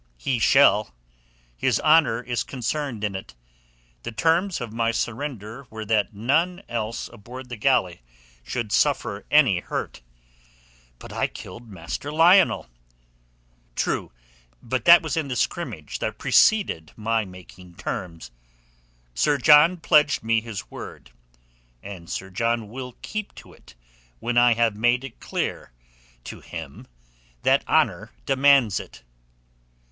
"He shall. His honour is concerned in it. The terms of my surrender were that none else aboard the galley should suffer any hurt." "But I killed Master Lionel." "True—but that was in the scrimmage that preceded my making terms. Sir John pledged me his word, and Sir John will keep to it when I have made it clear to him that honour demands it."